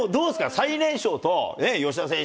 最年少と、吉田選手